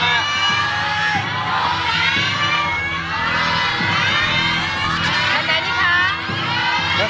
แผ่นไหนนี่คะ